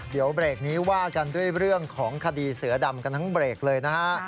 เดี๋ยวเบรกนี้ว่ากันด้วยเรื่องของคดีเสือดำกันทั้งเบรกเลยนะฮะ